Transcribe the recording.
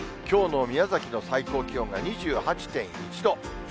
きょうの宮崎の最高気温が２８．１度。